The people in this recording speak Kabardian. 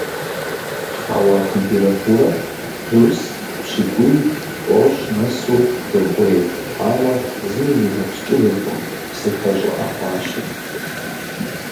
Хьэуа температурэр плюс пщӏыкӏуй–тӏощӏ нэсу докӀуей, ауэ зыми зигъэпскӀыжыркъым, псыхэр щӀыӀэ хъуащи.